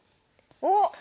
おっ！